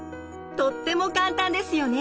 とっても簡単ですよね。